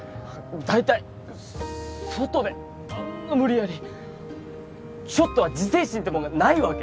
大体外であんな無理やりちょっとは自制心ってもんがないわけ！？